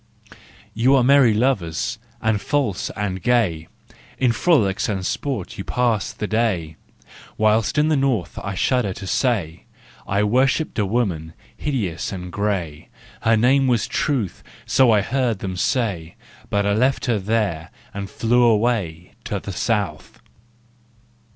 " You are merry lovers and false and gay, " In frolics and sport you pass the day; (" Whilst in the North, I shudder to say, " I worshipped a woman, hideous and gray, " Her name was Truth, so I heard them say, " But I left her there and I flew away "To the South!